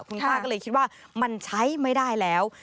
คุณป้าก็เลยคิดว่ามันใช้ไม่ได้แล้ว